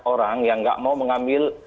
orang yang nggak mau mengambil